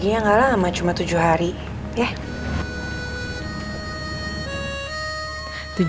iya gak lama cuma tujuh hari